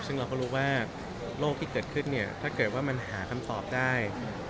ซึ่งเราก็รู้ว่าโรคที่เกิดขึ้นเนี่ยถ้าเกิดว่ามันหาคำตอบได้